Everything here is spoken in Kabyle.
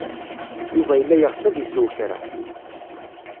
Yuba yella yeɣs ad isew kra.